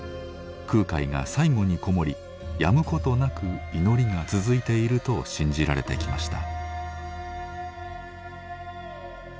空海が最後に籠もりやむことなく祈りが続いていると信じられてきました。